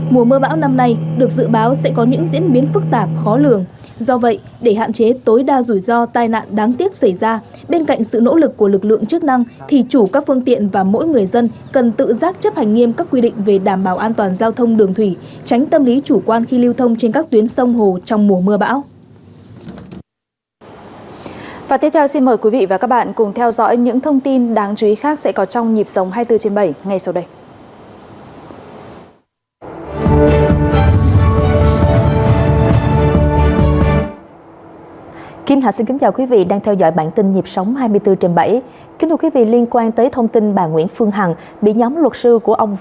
mùa mưa bão năm nay được dự báo sẽ có những diễn biến phức tạp khó lường do vậy để hạn chế tối đa rủi ro tai nạn đáng tiếc xảy ra bên cạnh sự nỗ lực của lực lượng chức năng thì chủ các phương tiện và mỗi người dân cần tự giác chấp hành nghiêm các quy định về đảm bảo an toàn giao thông đường thủy tránh tâm lý chủ quan khi lưu thông trên các tuyến sông hồ trong mùa mưa bão